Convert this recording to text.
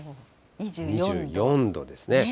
２４度ですね。